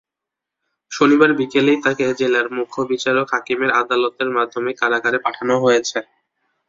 শনিবার বিকেলেই তাঁকে জেলার মুখ্য বিচারিক হাকিমের আদালতের মাধ্যমে কারাগারে পাঠানো হয়েছে।